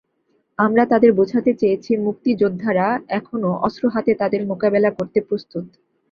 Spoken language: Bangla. আমরা তাদের বোঝাতে চেয়েছি, মুক্তিযোদ্ধারা এখনো অস্ত্র হাতে তাদের মোকাবিলা করতে প্রস্তুত।